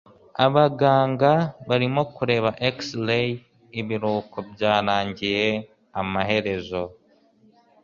Abaganga barimo kureba x-ray. Ibiruhuko byarangiye amaherezo.